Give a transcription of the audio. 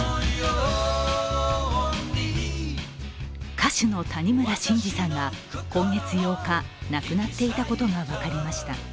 歌手の谷村新司さんが今月８日亡くなっていたことが分かりました。